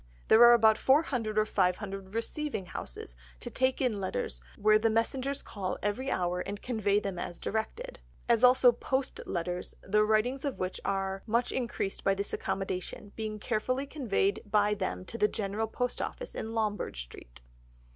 There are about 400 or 500 receiving Houses, to take in letters, where the Messengers call every hour, and convey them as directed; as also post letters, the writing of which are much increased by this accommodation, being carefully conveyed by them to the general Post Office in Lombard Street."